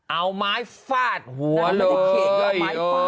เอาไม้ฟาดหัวเลย